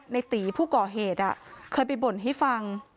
ในตีผู้ก่อเหตุเคยไปบ่นให้ฟัง